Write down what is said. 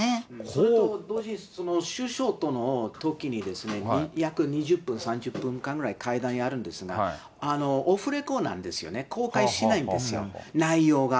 それと同時に、首相とのときに、約２０分、３０分間くらい会談やるんですが、オフレコなんですよね、公開しないんですよ、内容が。